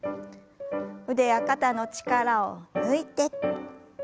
腕や肩の力を抜いて。